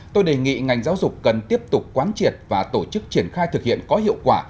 tôi đề nghị ngành giáo dục cần tiếp tục quán triệt và tổ chức triển khai thực hiện có hiệu quả